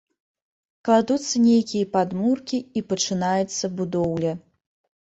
Кладуцца нейкія падмуркі і пачынаецца будоўля.